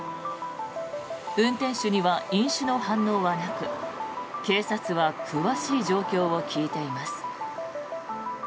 運転手には飲酒の反応はなく警察は詳しい状況を聞いています。